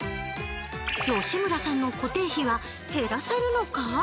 吉村さんの固定費は減らせるのか？